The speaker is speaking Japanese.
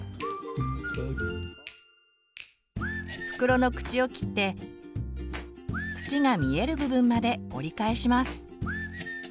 袋の口を切って土が見える部分まで折り返します。